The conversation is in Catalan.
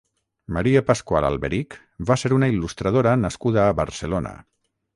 Maria Pascual Alberich va ser una il·lustradora nascuda a Barcelona.